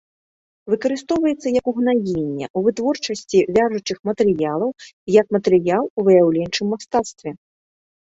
Выкарыстоўваецца як угнаенне, у вытворчасці вяжучых матэрыялаў, як матэрыял у выяўленчым мастацтве.